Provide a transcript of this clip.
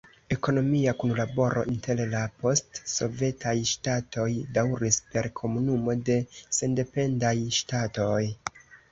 Ekonomia kunlaboro inter la post-sovetaj ŝtatoj daŭris per Komunumo de Sendependaj Ŝtatoj.